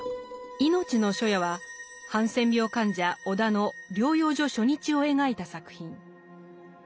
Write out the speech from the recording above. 「いのちの初夜」はハンセン病患者尾田の療養所初日を描いた作品。